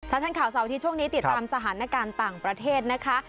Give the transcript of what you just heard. ชัดทันข่าวเสาร์อาทิตย์ช่วงนี้ติดตามสถานการณ์ต่างประเทศนะคะ